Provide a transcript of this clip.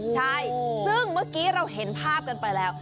ใช่ซึ่งเมื่อกี้เราเห็นภาพกันไปแล้ว